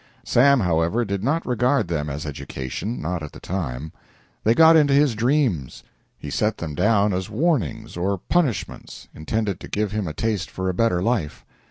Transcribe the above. Sam, however, did not regard them as education not at the time. They got into his dreams. He set them down as warnings, or punishments, intended to give him a taste for a better life.